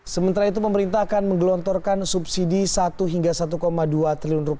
sementara itu pemerintah akan menggelontorkan subsidi rp satu hingga rp satu dua triliun